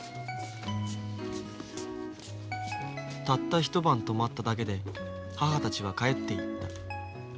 たった一晩泊まっただけで母たちは帰っていった。